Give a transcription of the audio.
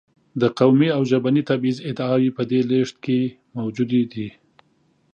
د قومي او ژبني تبعیض ادعاوې په دې لېږد کې موجودې دي.